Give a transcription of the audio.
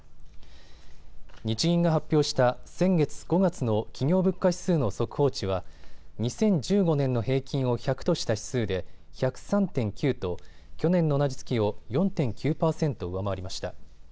日銀が発表した先月５月の企業物価指数の速報値は２０１５年の平均を１００とした指数で１０３．９と去年の同じ月を４．９％上回りました。